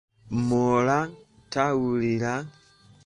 Moraa tawulira.